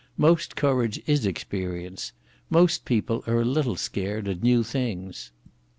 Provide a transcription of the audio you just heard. Most courage is experience. Most people are a little scared at new things